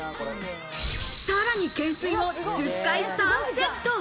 さらに懸垂を１０回３セット。